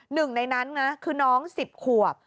หนึ่งในนั้นนะคือน้อง๑๐ขวบ